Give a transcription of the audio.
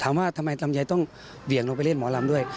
ถามว่าทำไมลำไยต้องเบี่ยงลงไปเล่นหมอลำด้วย